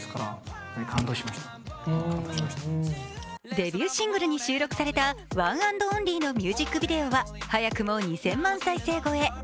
デビューシングルに収録された「ＯｎｅａｎｄＯｎｌｙ」のミュージックビデオは早くも２０００万再生超え。